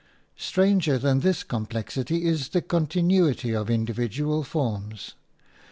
Stranger than this complexity is the continuity of individual forms.